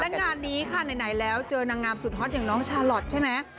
และงานนี้ค่ะไหนแล้วเจอนางงามสุดฮอตอย่างน้องชาลอทใช่ไหม